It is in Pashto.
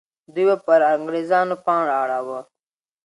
دوی به پر انګریزانو پاڼ را اړوه.